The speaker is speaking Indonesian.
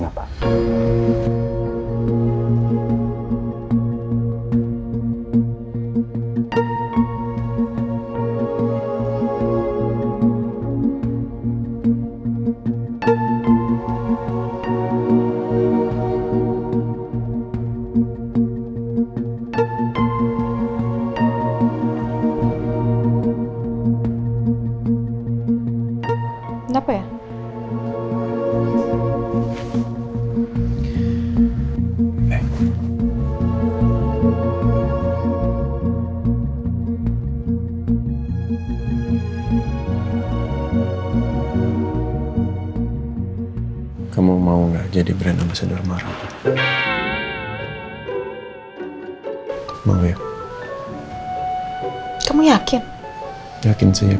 aku mau jadi artis